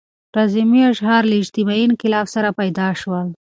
رزمي اشعار له اجتماعي انقلاب سره پیدا شول.